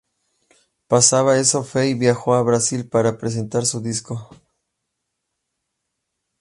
Pasado esto Fey viajó a Brasil para presentar su disco.